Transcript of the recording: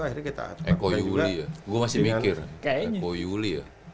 akhirnya kita melakukan juga